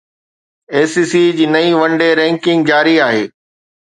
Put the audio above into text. اي C C جي نئين one day ranking جاري آهي